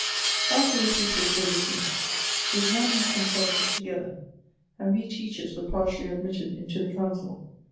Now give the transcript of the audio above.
"After the pupils were dismissed, the examiners con sulted together, and wo teachers were partially admitted into the council.